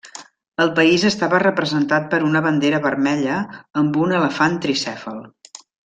El país estava representat per una bandera vermella amb un elefant tricèfal.